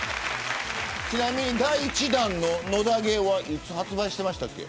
ちなみに第１弾の野田ゲーはいつ発売してましたっけ。